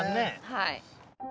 はい。